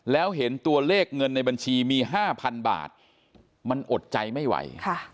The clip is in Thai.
แล้วเห็นตัวเลขเงินในบัญชีมี๕๐๐๐บาทมันอดใจไม่ไหว